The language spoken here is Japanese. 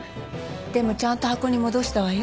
でもちゃんと箱に戻したわよ。